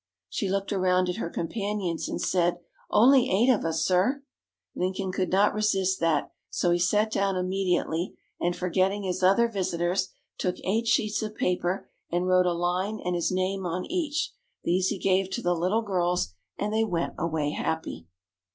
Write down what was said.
She looked around at her companions, and said, "Only eight of us, sir!" Lincoln could not resist that, so he sat down immediately, and forgetting his other visitors, took eight sheets of paper and wrote a line and his name on each. These he gave to the little girls, and they went away happy.